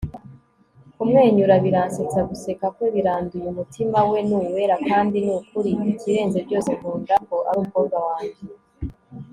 kumwenyura biransetsa guseka kwe biranduye umutima we ni uwera kandi ni ukuri ikirenze byose nkunda ko ari umukobwa wanjye